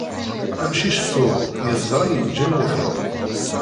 Amcic tuɣ yeẓṛa yiǧen wefṛux.